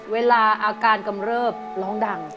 เวลาอาการกำเริบร้องดัง